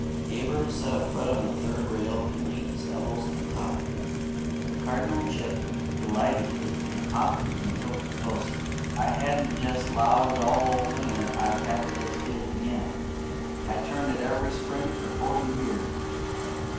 Abram set a foot on the third rail and leaned his elbows on the top. The Cardinal chipped delightedly and hopped and tilted closer. "I hadn't jest 'lowed all winter I'd tackle this field again. I've turned it every spring for forty year.